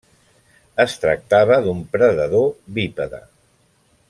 Es tractava d'un predador bípede.